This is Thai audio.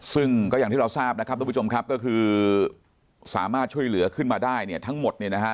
ซึ่งก็อย่างที่เราทราบนะครับทุกผู้ชมครับก็คือสามารถช่วยเหลือขึ้นมาได้เนี่ยทั้งหมดเนี่ยนะฮะ